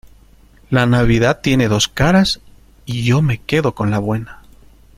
la Navidad tiene dos caras y yo me quedo con la buena